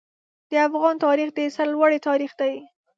د افغان تاریخ د سرلوړۍ تاریخ دی.